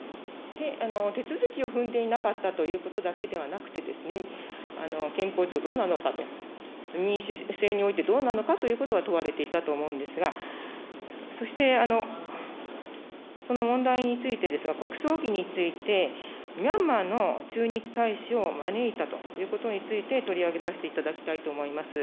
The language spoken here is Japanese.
手続きを踏んでいなかったということだけではなくて、憲法上どうなのかと、民主制においてどうなのかということが問われていたと思うんですが、そしてその問題についてですが、国葬儀について、ミャンマーの駐日大使を招いたということについて取り上げさせていただきたいと思います。